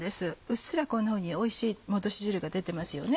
うっすらこんなふうにおいしいもどし汁が出てます。